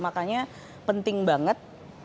makanya penting banget